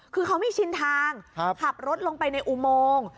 คือเขาไม่ชินทางขับรถลงไปในอุโมง